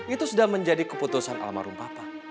itu sudah menjadi keputusan almarhum papa